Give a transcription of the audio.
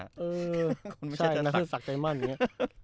ใช่คุณไม่ใช่จ้าใช่แค่ศักดีใจมั่นอย่างงี้ฮ่า